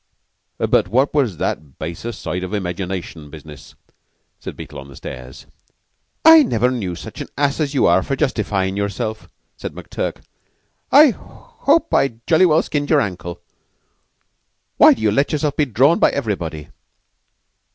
"But what was the baser side of imagination business?" said Beetle on the stairs. "I never knew such an ass as you are for justifyin' yourself," said McTurk. "I hope I jolly well skinned your ankle. Why do you let yourself be drawn by everybody?"